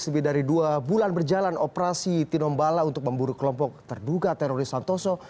lebih dari dua bulan berjalan operasi tinombala untuk memburu kelompok terduga teroris santoso